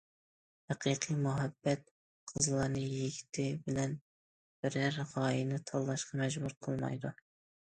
ھەقىقىي مۇھەببەت قىزلارنى يىگىتى بىلەن بىرەر غايىنى تاللاشقا مەجبۇر قىلمايدۇ.